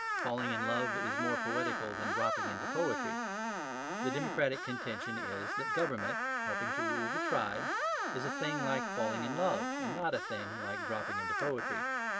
Falling in love is more poetical than dropping into poetry. The democratic contention is that government (helping to rule the tribe) is a thing like falling in love, and not a thing like dropping into poetry.